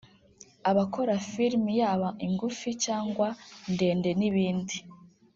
abakora filimi yaba ingufi cyangwa ndende n’ibindi